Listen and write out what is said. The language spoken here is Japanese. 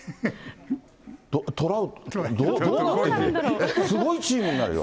トラウト、どうなって、すごいチームになるよ。